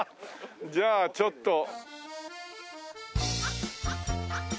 じゃあちょっと。